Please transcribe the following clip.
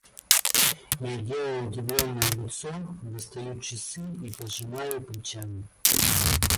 Я делаю удивленное лицо, достаю часы и пожимаю плечами.